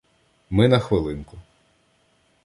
Ми на хвилинку.